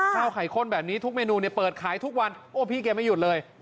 ข้าวไข่ข้นแบบนี้ทุกเมนูเนี่ยเปิดขายทุกวันโอ้พี่แกไม่หยุดเลย